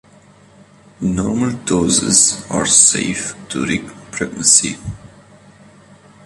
Normal doses are safe during pregnancy.